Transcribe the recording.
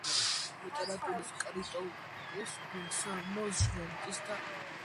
ლიტერატურის კრიტიკოსის ბესარიონ ჟღენტის და.